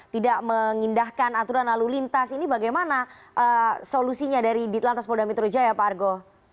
tidak mengindahkan aturan lalu lintas ini bagaimana solusinya dari di lantas moda mitra raja ya pak argo